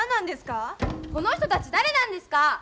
この人たち誰なんですか！